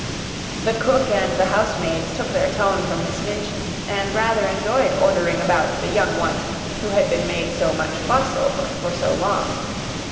The cook and the housemaids took their tone from Miss Minchin, and rather enjoyed ordering about the "young one" who had been made so much fuss over for so long.